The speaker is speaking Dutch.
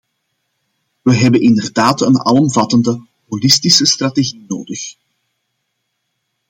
We hebben inderdaad een alomvattende, holistische strategie nodig.